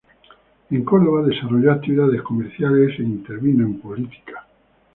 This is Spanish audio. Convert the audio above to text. En Córdoba desarrolló actividades comerciales e intervino en política.